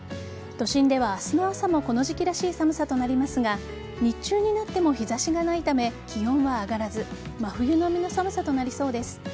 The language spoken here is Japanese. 都心では明日の朝もこの時期らしい寒さとなりますが日中になっても日差しがないため気温は上がらず真冬並みの寒さとなりそうです。